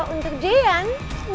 gitu untuk dean